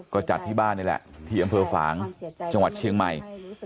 ก็จัดที่บ้านนี่แหละที่อำเภอฝางจังหวัดเชียงใหม่